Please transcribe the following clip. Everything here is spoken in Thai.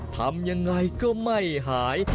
ทำอย่างไรก็ไม่หาย